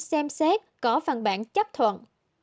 xem xét có văn bản chấp thuận